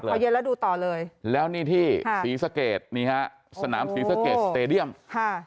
พอเย็นแล้วดูต่อเลยแล้วนี่ที่ศรีสะเกดนี่ฮะสนามศรีสะเกดสเตดียมค่ะ